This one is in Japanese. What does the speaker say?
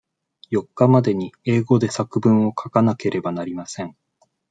四日までに英語で作文を書かなければなりません。